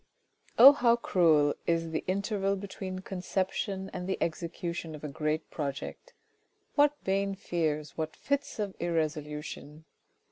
Oh, how cruel is the interval between the conception and the execution of a great project. What vain fears, what fits of irresolution